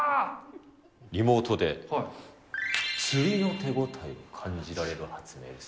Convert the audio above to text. リモートでも釣りの手応えを感じられる発明です。